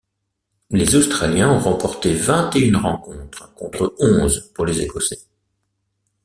Les Australiens ont remporté vingt-et-une rencontres contre onze pour les Écossais.